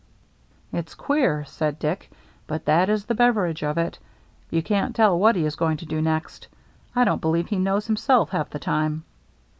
"It's queer," said Dick, "but that is the Beveridge of it. You can't tell what he is going to do next. I don't believe he knows himself half the time."